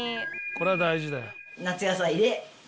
これは大事だよ。